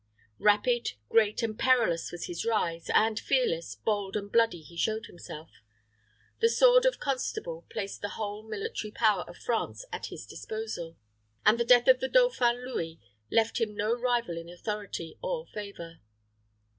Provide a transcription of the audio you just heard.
Rapid, great, and perilous was his rise, and fearless, bold, and bloody he showed himself. The sword of constable placed the whole military power of France at his disposal, and the death of the dauphin Louis left him no rival in authority or favor.